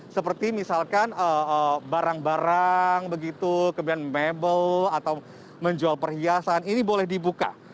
seperti misalkan barang barang begitu kemudian mebel atau menjual perhiasan ini boleh dibuka